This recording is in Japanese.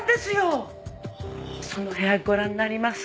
その部屋ご覧になります？